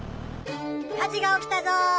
火事がおきたぞ！